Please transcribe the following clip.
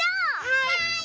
はい。